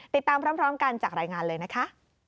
ติดตามพร้อมกันจากรายงานเลยนะคะ